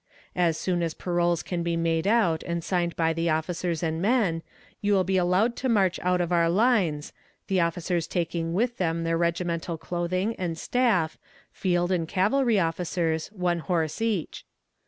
As soon as paroles can be made out and signed by the officers and men, you will be allowed to march out of our lines, the officers taking with them their regimental clothing, and staff, field and cavalry officers, one horse each.